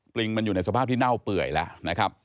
ลิงมันอยู่ในสภาพที่เน่าเปื่อยแล้วนะครับ